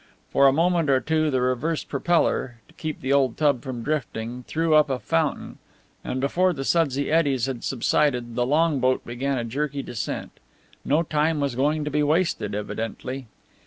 For a moment or two the reversed propeller to keep the old tub from drifting threw up a fountain; and before the sudsy eddies had subsided the longboat began a jerky descent. No time was going to be wasted evidently.